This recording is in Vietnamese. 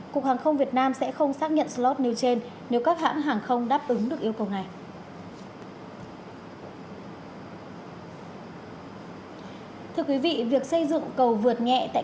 cục hàng không việt nam sẽ không xác nhận slot nêu trên nếu các hãng hàng không đáp ứng được yêu cầu này